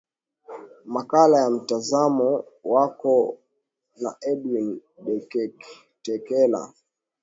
makala ya mtazamo wako na edwin deketela